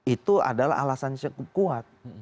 itu adalah alasan yang kuat